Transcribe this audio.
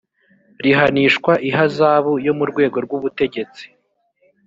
rihanishwa ihazabu yo mu rwego rw’ ubutegetsi